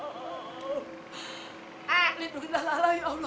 eh budak lo